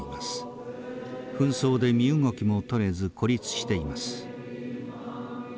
紛争で身動きもとれず孤立しています。